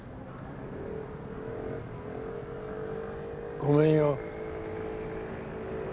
ごめんよ。